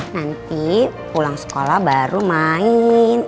nanti pulang sekolah baru main